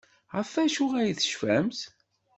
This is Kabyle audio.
Ɣef wacu ay tecfamt?